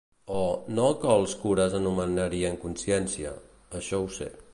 Oh, no el que els cures anomenarien consciència. Això ho sé.